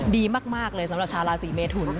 ดีมากเลยสำหรับชาวราศีเมทุน